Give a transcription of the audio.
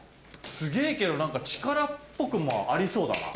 すげえけどなんか力っぽくもありそうだな。